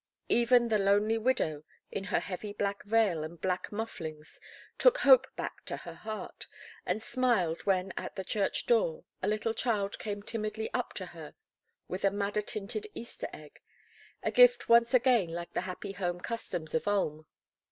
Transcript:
Even the lonely widow, in her heavy veil and black mufflings, took hope back to her heart, and smiled when at the church door a little child came timidly up to her with a madder tinted Easter egg—a gift once again like the happy home customs of Ulm.